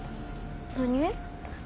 何？